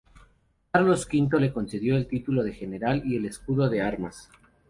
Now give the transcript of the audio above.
Carlos V le concedió el título de general y el escudo de armas.